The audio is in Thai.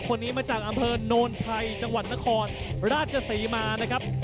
คนนี้มาจากอำเภอโนนไทยจังหวัดนครราชศรีมานะครับ